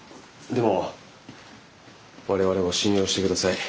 でも我々を信用してください。